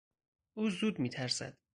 او زود میترسد.